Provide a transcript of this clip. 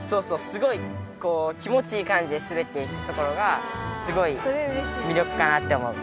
すごい気持ちいい感じですべっていくところがすごい魅力かなって思う。